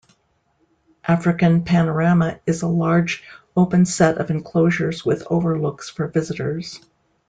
African Panorama is a large open set of enclosures with overlooks for visitors.